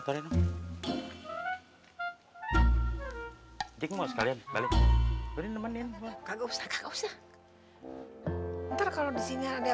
hai dikutuk sekalian balik menemani kagak usah kagak usah ntar kalau di sini ada